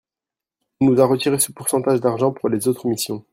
on nous a retiré ce pourcentage d'argent pour les autres missions.